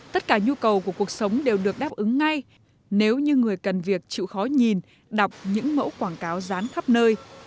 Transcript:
tất cả nhu cầu của cuộc sống đều được đáp ứng ngay nếu như người cần việc chịu khó nhìn đọc những mẫu quảng cáo rán khắp nơi